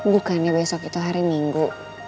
bukannya besok itu hari minggu